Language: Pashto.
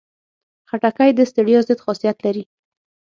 خټکی د ستړیا ضد خاصیت لري.